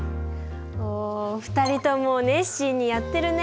お２人とも熱心にやってるね。